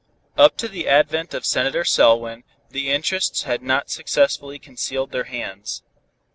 Up to the advent of Senator Selwyn, the interests had not successfully concealed their hands.